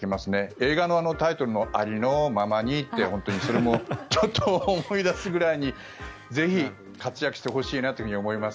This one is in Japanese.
映画のタイトルの「ありのままに」ってちょっと思い出すぐらいにぜひ、活躍してほしいと思います。